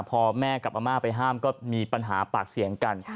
พอแม่กับอาม่าไปห้ามก็มีปัญหาปากเสียงกัน